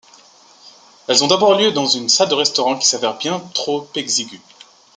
Elles ont d'abord lieu dans une salle de restaurant qui s'avère bientôt trop exiguë.